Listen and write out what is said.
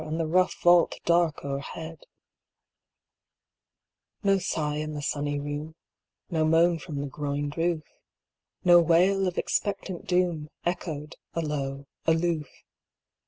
And the rough vault dark o'erhead ! No sigh in the sunny room, No moan from the groined roof, No wail of expectant doom Echoed alow, aloof